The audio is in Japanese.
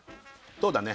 そうだね